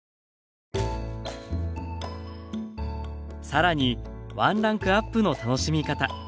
さらにワンランクアップの楽しみ方。